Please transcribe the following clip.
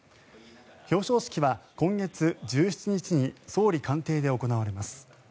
表彰式は今月１７日に総理官邸で行われます。